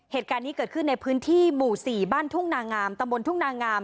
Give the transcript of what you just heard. เหตุการณ์นี้เกิดขึ้นในพื้นที่หมู่๔บ้านทุ่งนางามตำบลทุ่งนางาม